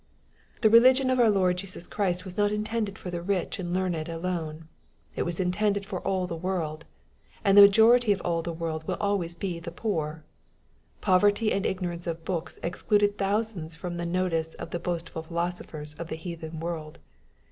The religion of our Lord Jesus Christ was not intended for the rich and learned alone. It was intended for all the world, — ^and the majority of all the world will always be the poon Poverty and ignorance of books excluded thousands from the notice of the boastful philosophers of the heathen world.